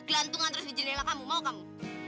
gelantungan terus di jendela kamu mau kamu